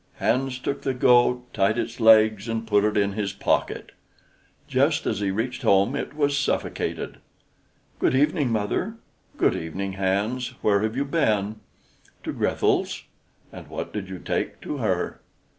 Hans took the goat, tied its legs, and put it in his pocket. Just as he reached home it was suffocated. "Good evening, mother." "Good evening, Hans. Where have you been?" "To Grethel's." "And what did you take to her?"